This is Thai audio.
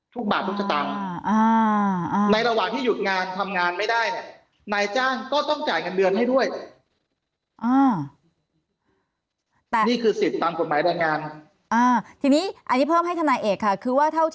ธุบาทธุกชะตำในระหว่างที่หยุดงานทำงานไม่ได้นายจ้างก็ต้อง